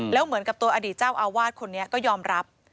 แล้วเหมือนกับตัวอดีตเจ้าอาวาสคนนี้ก็ยอมรับ